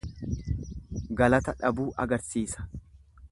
Galata dhabuu agarsiisa.